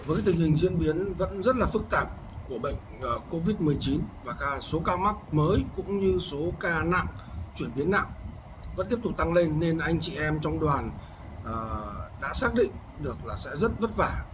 với tình hình diễn biến vẫn rất là phức tạp của bệnh covid một mươi chín và ca số ca mắc mới cũng như số ca nặng chuyển biến nặng vẫn tiếp tục tăng lên nên anh chị em trong đoàn đã xác định được là sẽ rất vất vả